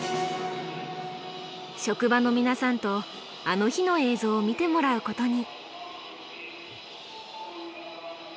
職場の皆さんと「あの日」の映像を見てもらうことに。